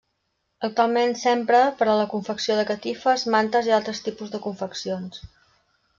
Actualment s'empra per a la confecció de catifes, mantes i altres tipus de confeccions.